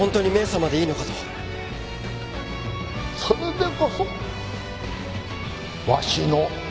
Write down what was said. それでこそわしの孫だ。